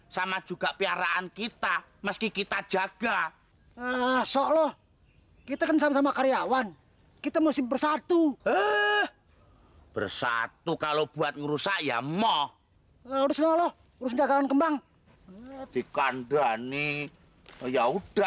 sampai jumpa di video selanjutnya